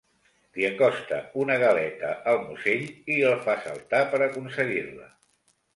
Li acosta una galeta al musell i el fa saltar per aconseguir-la.